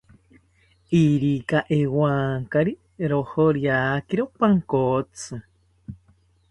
Irika ewankari rojoriakiro pankotsi